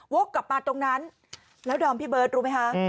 กลับมาตรงนั้นแล้วดอมพี่เบิร์ตรู้ไหมคะ